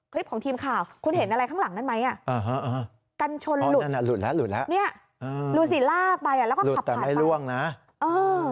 คลิปของทีมข่าวคุณเห็นอะไรข้างหลังนั้นไหมอ่ะฮะอ่ะกันชนลุดลุดและลุดแล้วก็ขับขัดไป